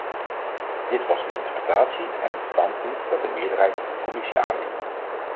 Dit was de interpretatie en het standpunt dat de meerderheid in de commissie aanhing.